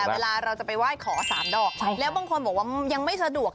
เวลาเราจะไปไหว้ขอ๓ดอกแล้วบางคนบอกว่ายังไม่สะดวก